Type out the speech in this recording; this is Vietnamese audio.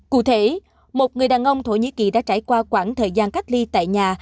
cụ thể một người đàn ông thổ nhĩ kỳ đã trải qua khoảng thời gian cách ly tại nhà